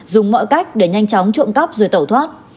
dùng mọi cách để nhanh chóng trộm cắp rồi tẩu thoát